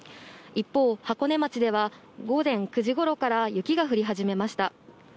一方、箱根町では午前９時ごろから雪が降り始めました。